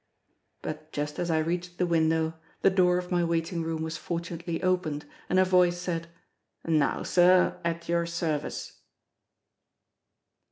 But just as I reached the window, the door of my waiting room was fortunately opened, and a voice said: "Now, sir; at your service!"...